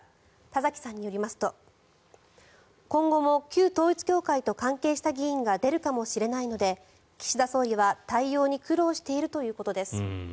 田崎さんによりますと、今後も旧統一教会と関係した議員が出るかもしれないので岸田総理は対応に苦労しているということです。